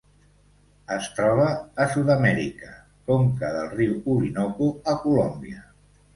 Es troba a Sud-amèrica: conca del riu Orinoco a Colòmbia.